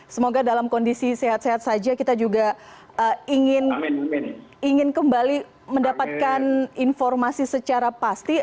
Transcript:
semoga dalam kondisi sehat sehat saja kita juga ingin kembali mendapatkan informasi secara pasti